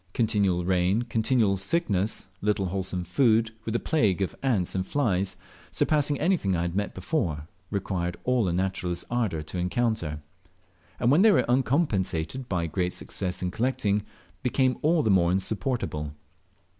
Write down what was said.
Continual rain, continual sickness, little wholesome food, with a plague of ants and files, surpassing anything I had before met with, required all a naturalist's ardour to encounter; and when they were uncompensated by great success in collecting, became all the more insupportable.